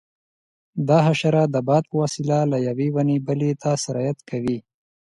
دا حشره د باد په وسیله له یوې ونې بلې ته سرایت کوي.